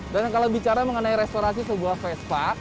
dan kalau bicara mengenai restorasi sebuah vespa